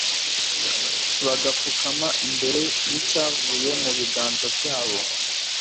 bagapfukama imbere y'icyavuye mu biganza byabo